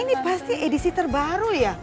ini pasti edisi terbaru ya